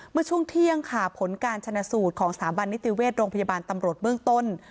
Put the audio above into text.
เมื่อช่วงเที่ยงค่ะผลการชนะสูตรของสถาบันนิติเวชโรงพยาบาลตำรวจเบื้องต้น